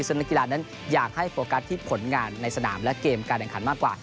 ซึ่งนักกีฬานั้นอยากให้โฟกัสที่ผลงานในสนามและเกมการแข่งขันมากกว่า